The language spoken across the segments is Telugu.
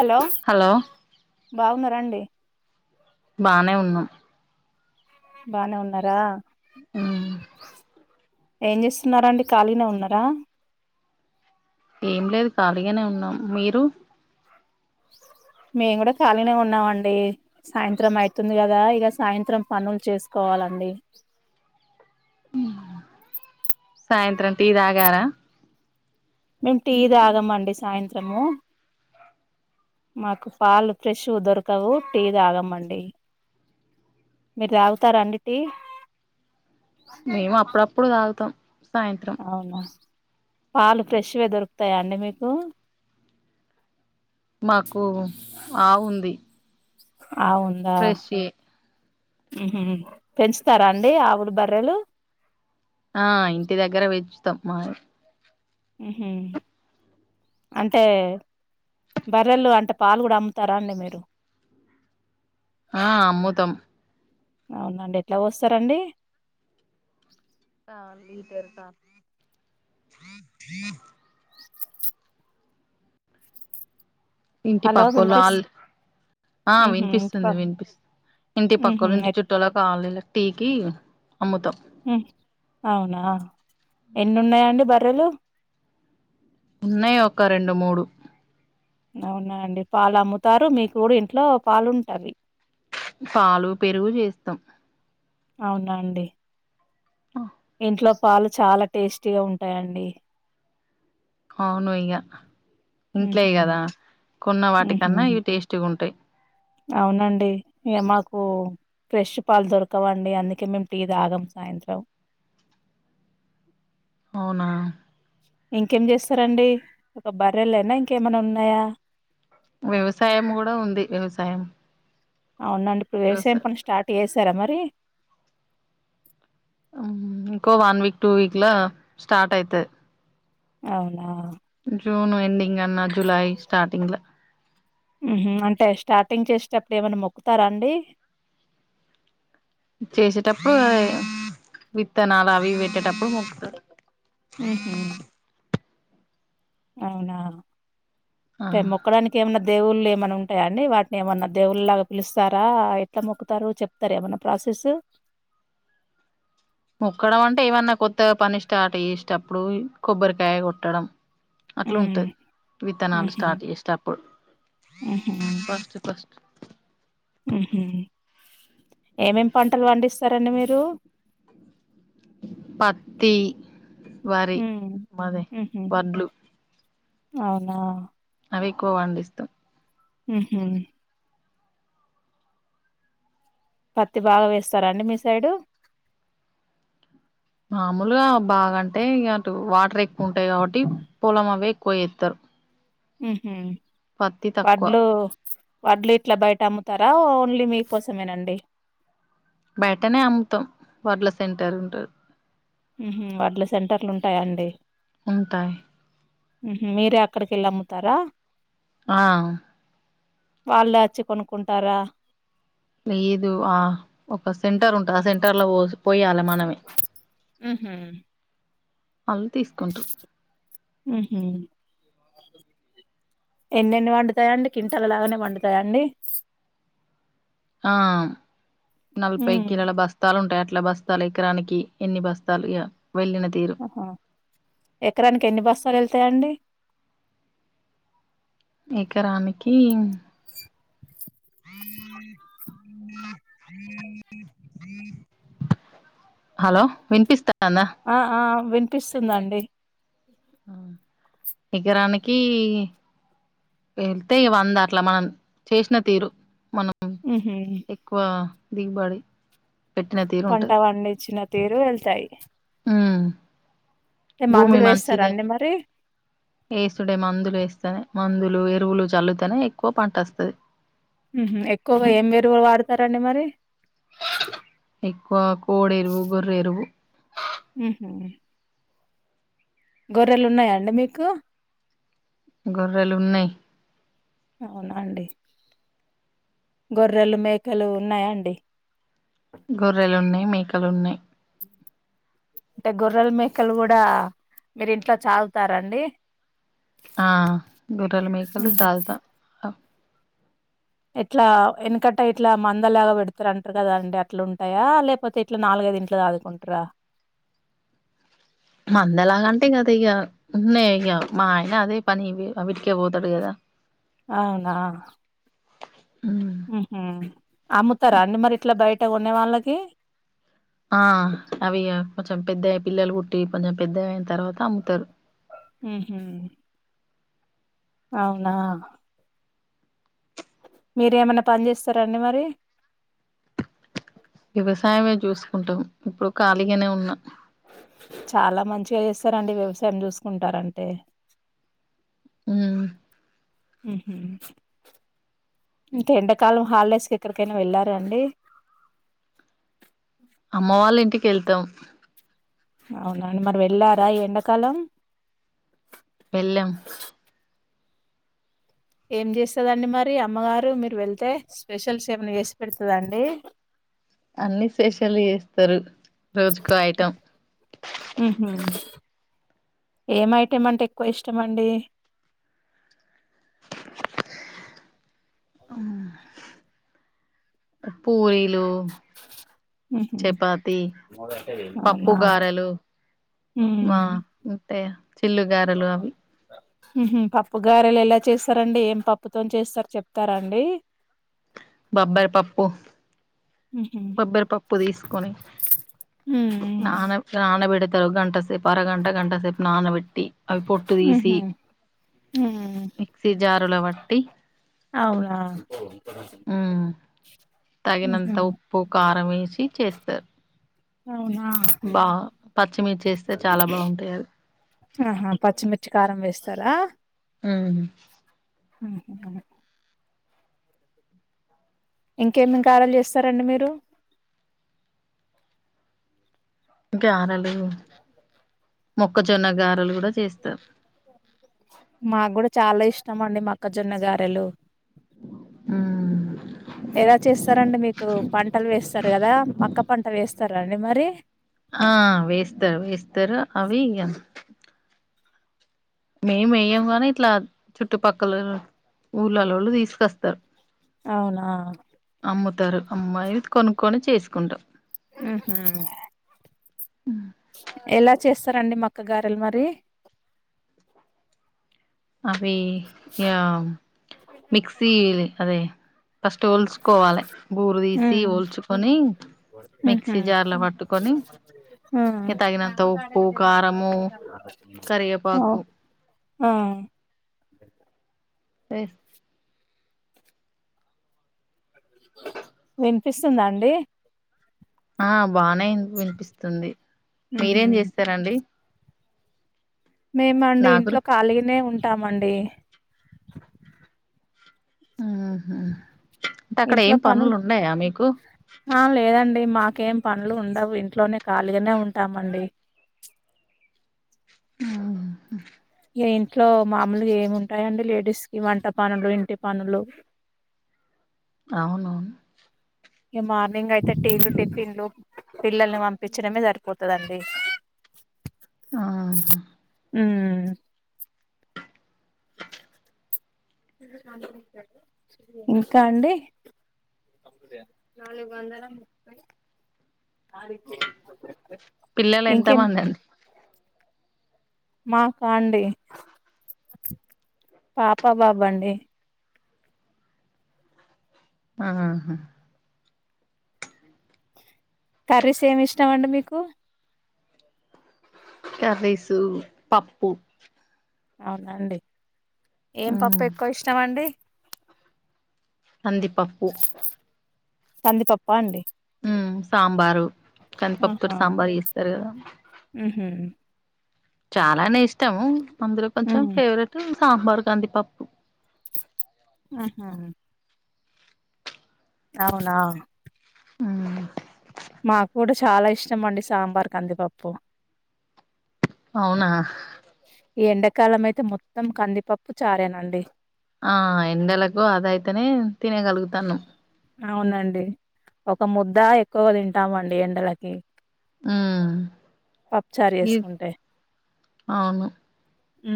హలో బాగున్నారాఅండి బానే ఉన్నాం బానే ఉన్నారా ఉమ్ ఏం చేస్తున్నారా అండి ఖాళీనే ఉన్నారా. ఏం లేదు ఖాళీగానే ఉన్నాం మీరు. మేము కూడా ఖాలీనే ఉన్నామండి సాయంత్రం అయితుంది కదా ఇక సాయంత్రం పనులు చేసుకోవాలండి సాయంత్రం టీ తాగారా మేము టీ తాగమండి సాయంత్రము మాకు పాలు ఫ్రెష్ దొరకవు టీ తాగమండి మీరు రాగుతార అండి టి మేము అప్పుడప్పుడు తాగుతాం సాయంత్రం అవునా పాలు ఫ్రెష్ గా దొరుకుతాయా అండి మీకు మాకు ఆవు ఉంది ఆ వుందా ఫ్రెష్ ఏ ఉహు పెంచుతారా అండి ఆవులు బర్రెలు ఆ ఇంటి దగ్గర పెంచుతామ్ మా హుహుమ్ అంటే బర్రెలు అంటే పాలు కూడా అమ్ముతారా అండి మీరు ఆ అమ్ముతాం అవునండి ఎట్లా పోస్తారండీ ఆ లీటర్ ఇంటి హలో పక్కళ్లు వినిపిస్ ఆళు ఆ ఉహు ఇంటి ప వినిపిస్తుంది వినిపిస్తు ఇంటి ఉహు పక్కలు ఇంటి ఎట్ చుట్టూ తర్వాత పాలల్ల టీకి అమ్ముతాం హు అవునా ఎన్ని ఉన్నాయండి బర్రెలు ఉన్నాయి ఒక రెండు మూడు అవునా అండి పాలు అమ్ముతారు మీకు కూడా ఇంట్లో పాలు ఉంటవి పాలు పెరుగు చేస్తాం అవునా అండి ఆ ఇంట్లో పాలు చాలా టేస్టీగా ఉంటాయండి అవును ఇక ఇంట్లేయి ఉహు కదా కొన్న ఉహు వాటికన్నా ఇవి టేస్ట్ గా ఉంటాయి అవునండి ఇక మాకు ఫ్రెష్ పాలు దొరకవండి అందుకే మేము టీ తాగం సాయంత్రం అవునా ఇంకేం చేస్తారండి ఒక బర్రెలు లేనా ఇంకేమైనా ఉన్నాయా వ్యవసాయం కూడా ఉంది వ్యవసాయం అవునండి ఇప్పుడు వ్యవసా వ్యవసాయం పని స్టార్ట్ చేశారా మరి ఊ ఇంకో వన్ వీక్ టూ వీక్ లో స్టార్ట్ అయితది అవునా జూన్ ఎండింగ్ అన్న జులై స్టార్టింగ్ ల ఊహు అంటే స్టార్టింగ్ చేసేటప్పుడు ఏమన్నా మొక్కుతారా అండి చేసేటప్పుడు విత్తనాలు అవి ఇవి పెట్టేటప్పుడు మొకుతారు ఉహు అవునా ఆ త మొక్కడాని ఏమన్నా దేవుళ్ళు ఏమైన్నా ఉంటాయా అండి వాటిని ఏమన్నా దేవుళ లాగా పిలుస్తారా ఎట్లా మొక్కుతారు చెప్ చెప్తార ఏమన్న ప్రసెస్ మోక్కడం అంటే ఏమన్నా కొత్తగ పని స్టార్ట్ చేయేసటప్పుడు కొబ్బరికాయ కొట్టడం అట్లా హ్మ్. ఉంటుంది విత్తనాలు హుహు. స్టార్ట్ చేసేటప్పుడు హుహు. ఫస్ట్ ఫస్ట్ ఊహు ఏమేమి పంటలు పండిస్తారండి మీరు పత్తి వరి హ్మ్. మాది హుహు. వడ్లు అవునా అవి ఎక్కువ పండిస్తాం ఉహు పత్తి బాగా వేస్తారా అండి మీ సైడు మామూలుగా బాగాంటే ఇగ అటు వాటర్ ఎక్కువ ఉంటాయి కాబట్టి పొలం అవే ఎక్కువేస్తారు ఉహు తక్కువ వడ్లు వడ్లు ఇట్లా బయట అమ్ముతారా ఓన్లీ మీకోసమేనండి బయటనే అమ్ముతాం వడ్ల సెంటర్ ఉంటది ఊహు వడ్ల సెంటర్లు ఉంటాయ అండి ఉంటాయి ఊహు మీరే అక్కడికి వెళ్ళి అమ్ముతారా ఆ వాళ్ళు వచ్చి కొనుక్కుంటారా లేదు ఆ ఒక సెంటర్ ఉంటది ఆ సెంటర్ ల పోసు పోయాల మా అవి ఉహు అవి తీసుకుంటూరు ఉహు ఎన్ని ఎన్ని పండుతాయండి కింటలాగానే పండుతాయండి ఆ నవిపై కీలల బస్ స్తాలుంటాయి అట్లా బస్తాలు ఎకరానికి ఎన్ని బస్తాలు ఇగ వెళ్ళిన తీరు ఆ ఎకరానికి ఎన్ని బస్సాలు ఎళ్తాయండి ఎకరానికి హలో వినిపిస్తందా ఆ ఆ వినిపిస్తుందండి ఊ ఎకరానికి వెళ్తే ఇగ వంద అట్లా మనం చేసిన తీరు మనం ఉహు వా దిగబడి పంట పండించిన తీరు వెళ్తాయి ఉమ్ ఏ మందులు వేస్తారాండి మరి వేసుడే మందులు వేస్తనే మందులు ఎరువులు చల్లుతనే ఎక్కువ పంట వస్తది ఉహు ఎక్కువగా ఏం విరుగు వాడతారండి మరి ఎక్కువ కోడెఎరువు గొర్రెఎరువు ఉహు గొర్రెలు ఉన్నాయాఅండి మీకు గొర్రెలు ఉన్నాయి. అవునఅండి. గొర్రెలు, మేకలు, ఉన్నాయ. అండి గొర్రెలు ఉన్నాయి. మేకలు ఉన్నాయి. అంటే గొర్రల మేకలు కూడా మీరు ఇంట్లో చాకుతారా అండి. ఆ గొర్రెలు మేకలు హుహు. సాకుతాం. ఎట్లా వెనకట్టా ఇట్లా మంద లాగా పెడతారు అంటారు కదాఅండి. అట్లా ఉంటాయా, లేకపోతే, ఇట్లా నాలుగైదు ఇంట్లో సాకు కుంట్రా మందలాగ అంటే ఇగ అది ఇగా ఉన్నాయి. ఇగ మా ఆయన అదే పని ఇగ్ అవిటికే పోతాడు గదా అవునా ఉమ్ ఉహ అమ్ముతారాఅండి. మరి ఇట్లా బయట కొనే వాళ్ళకి, ఆ అవి ఇగ కొంచెం పెద్దయి పిల్లలు పుట్టి కొంచెం పెద్దఅయిన తర్వాత అమ్ముతారు. మ్ గా అవునా మీరు ఏమైనా పని చేస్తారాండి మరి వ్యవసాయమే చూసుకుంటాం. ఇప్పుడు ఖాళీగానే ఉన్నా చాలా మంచిగా చేస్తారండి. వ్యవసాయం చూసుకుంటారంటే ఉమ్ మ్ హ ఇంకా ఎండాకాలం హాలిడేస్ కి ఎక్కడికైనా వెళ్ళారా అండి అమ్మవాళ్ళ ఇంటికివెళ్తాం. అవున అండి మరి వెళ్ళారా ఈ ఎండాకాలం వెళ్ళాం ఏం చేస్తరండి మరి అమ్మగారు మీరు వెళ్తే స్పెషల్స్ ఏమైనా చేసి పెడతదా అండి అన్ని స్పేషల్ చేస్తరు, రోజుకో ఐటం ఉహుం ఏం ఐటం అంటే ఎక్కువ ఇష్టం అండి. అవునా పూరీలు ఉహు చేపాతి, అవునా పప్పుగారేలు మా ఉమ్ అంటే చిల్లుగారెలు అవి పప్పుగారలు ఎలా చేస్తారండి. ఏం పప్పుతోనీ చేస్తారు. చెప్తారాఅండి. బబ్బారపప్పు, ఉహు బబ్బరాపప్పు తీసుకొని ఉమ్ నాన నానబెడతారు. గంట సేపు అరగంట గంట సేపు నానబెట్టి అవి పొట్టు తీసి ఉహు ఉమ్ మిక్సీ జారులో వట్టి అవునా మ్ తగినంత ఉహు ఉప్పు, కారం వేసి చేస్తారు. అవునా బా పచ్చిమిర్చి వేస్తే చాలా బాగుంటాయి. అవి ఆహా పచ్చిమిర్చి కారం వేస్తారా. ఉమ్ ఇంకేం గారెలు చేస్తారండి మీరు గారలు మొక్కజొన్న గారలు కూడా చేస్తారు. మాకు కూడా చాలా ఇష్టం అండి మొక్కజొన్న గారెలు ఉమ్ ఎలా చేస్తారండి మీకు పంటలు వేస్తారు కదా మక్క పంట వేస్తారండి మరి ఆ వేస్తారు వేస్తారు అవి ఇగ మేం మేయ్యము గని ఇట్లా చుట్టుపక్కల ఊళ్ళలోళ్ళు తీసుకొస్తారు అవునా అమ్ముతారు అమ్మాయే కొనుక్కొని చేసుకుంటా ఉహ ఎలా చేస్తారండి మక్క గారెలు మరి అవి ఇగ మిక్సీ అదే ఫస్ట్ వలుసుకోవాలి బూరు ఉ తీసి వోల్చుకొని ఉహు మిక్సీ జార్ లో పట్టుకొని ఆ ఇక తగినంత ఉప్పు కారము ఓ కరివేపాకు ఆ ఎ వినిపిస్తుందా అండి ఆ బానే వినిపిస్తుంది ఉహు మీరేం చేస్తారండి మేమా అండి నాకు ఇంట్లో ఖాళీగనే ఉంటామండి. ఉహు అంటే అక్కడ ఇంట్లో ఏం పను పనులు ఉండయా మీకు ఆ లేదండి మాకేం పనులు ఉండవు ఇంట్లోనే ఖాళీగానే ఉంటామండి ఇగ ఇంట్లో మామూలుగా ఏమింటాయండి. లేడీస్ కి వంట పనులు ఇంటి పనులు అవును ఇక మార్నింగ్ అయితే టీలు టిఫిన్లు పిల్లల్ని పంపించడమే సరిపోతదండి ఆ మ్ ఇంకా అండి నాలుగు వందల ముప్పై పిల్లలు ఎంత మంది అండి మాకా అండి పాప బాబు అండి ఆహా కర్రీస్ ఏమ్ ఇష్టామండి మీకు కర్రీస్ పప్పు అవున అండి ఏం పప్పు ఉమ్ ఎక్కువ ఇష్టం అండి కంది పప్పు కందిపప్పా అండి మ్ సాంబారు కందిపప్పు ఆహా తోటి సాంబారు చేస్తరు కదా ఉహు చాలానే ఇష్టము. అందులో కొంచెం ఉమ్ ఫేవరెట్ సాంబార్ కందిపప్పు ఆహ అవునా ఉమ్ మాకు కూడా చాలా ఇష్టం అండి సాంబార్ కందిపప్పు అవునా ఈ ఎండాకాలం అయితే మొత్తం కందిపప్పు చారె నండి ఆ ఎండలకు అది ఆయితేనే తినగలుగుతన్నం అవునండి ఒక ముద్ద ఎక్కువ తింటామండి ఎండలకి ఉమ్ పప్పుచార్ ఈ చేసుకుంటే అవును ఊ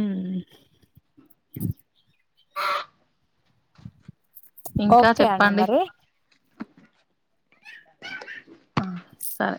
ఇంకా ఓకే అండి మరి అ సరే